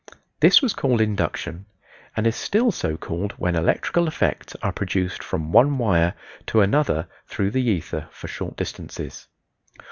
This was called induction, and is still so called when electrical effects are produced from one wire to another through the ether for short distances.